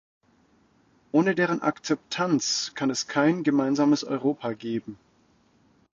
Ohne deren Akzeptanz kann es kein gemeinsames Europa geben.